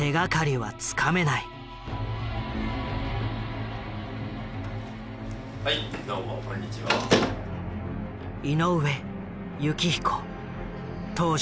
はいどうもこんにちは。